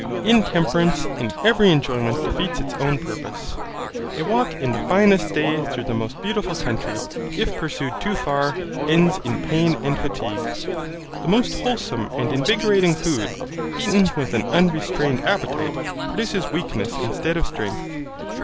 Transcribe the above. Intemperance in every enjoyment defeats its own purpose. A walk in the finest day through the most beautiful country, if pursued too far, ends in pain and fatigue. The most wholesome and invigorating food, eaten with an unrestrained appetite, produces weakness instead of strength.